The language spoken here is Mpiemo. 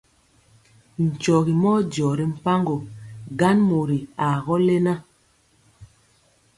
Nkyɔgi mɔ bi dyɔ ri mpaŋgo, gan mori aa gɔ lena.